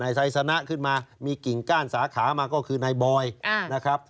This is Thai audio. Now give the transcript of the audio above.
ไซสนะขึ้นมามีกิ่งก้านสาขามาก็คือนายบอยนะครับ